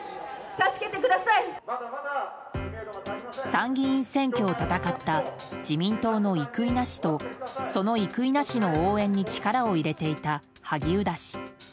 参議院選挙を戦った自民党の生稲氏とその生稲氏の応援に力を入れていた萩生田氏。